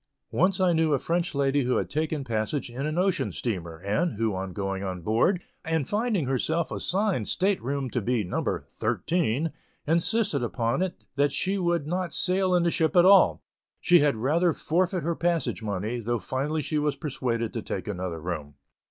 Once I knew a French lady who had taken passage in an ocean steamer, and who, on going aboard, and finding her assigned state room to be "No. 13," insisted upon it that she would not sail in the ship at all; she had rather forfeit her passage money, though finally she was persuaded to take another room.